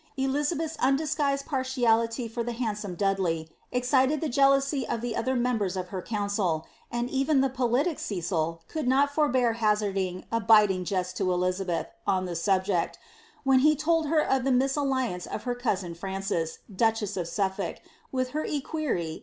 Elizabelh^s undisguised par tiality for the handsome Dudley, excited the jealousy of the other mem bers of her council, and even the politic Cecil could not forbear hazard ing a biting jest to Elizabeth on the subject, when he told her of tiie misalliance of her cousin Frances, duchess of Suflolk, with her equerry.